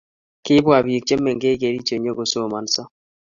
Kibwa biik chemengech Kericho nyikosomanso